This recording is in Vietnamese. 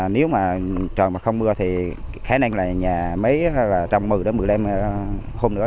nếu mà trời mà không mưa thì khá năng là nhà máy trong mười đến mười lăm hôm nữa